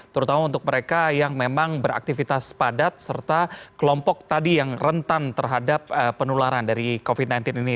terutama untuk mereka yang memang beraktivitas padat serta kelompok tadi yang rentan terhadap penularan dari covid sembilan belas ini